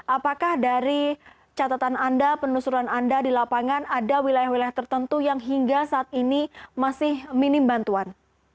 apakah dari catatan anda penelusuran anda di lapangan ada wilayah wilayah tertentu yang hingga saat ini masih minim bantuan